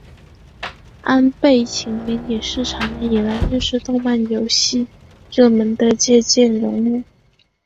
安倍晴明也是长年以来日式动漫游戏热门的借鉴人物。